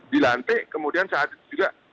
dilantik kemudian saat itu juga